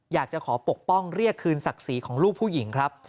อยากจะขอปกป้องเรียกคืนศักดิ์ศรีของลูกผู้หญิงครับ